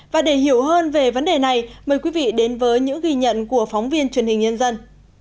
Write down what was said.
và để hiểu hơn về vấn đề này mời quý vị đến với những ghi nhận của phóng viên truyền hình nhân dân